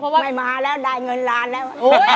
ไม่มาแล้วได้เงินล้านแล้ว